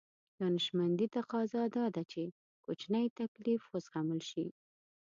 دانشمندي تقاضا دا ده چې کوچنی تکليف وزغمل شي.